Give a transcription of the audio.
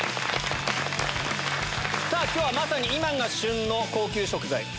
今日はまさに今が旬の高級食材。